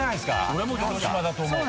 俺も広島だと思う。